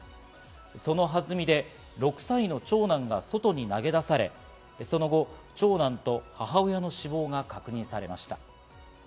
そのはずみで６歳の長男が外に投げ出され、その後、長男と母親の死亡が確認されました。